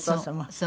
そう。